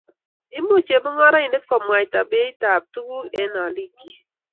Imuchi chemungaraindet komwaita beitab tuguk eng olikyik